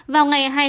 vào ngày hai mươi sáu